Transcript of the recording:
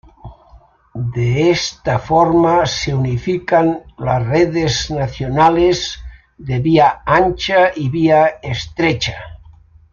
De esta forma se unifican las redes nacionales de vía ancha y vía estrecha.